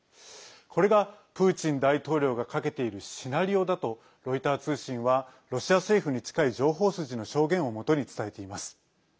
これがプーチン大統領がかけているシナリオだとロイター通信はロシア政府に近い情報筋の証言を元に伝えています。